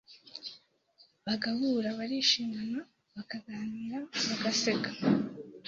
bagahura barishimana, bakaganira ,bagaseka ,